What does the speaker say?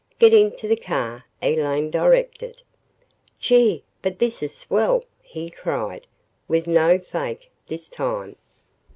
"Get into the car," Elaine directed. "Gee but this is swell," he cried, with no fake, this time.